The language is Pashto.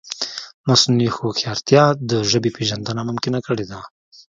مصنوعي هوښیارتیا د ژبې پېژندنه ممکنه کړې ده.